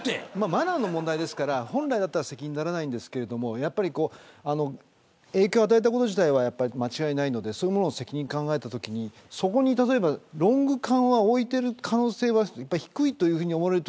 マナーの問題ですから本来なら責任にはなりませんけど影響を与えたこと自体は間違いないのでそういった責任を考えたときにロング缶を置いている可能性は低いと思われる